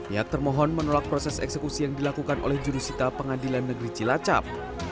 ia termohon menolak proses eksekusi yang dilakukan oleh jurusita pengadilan negeri cilacap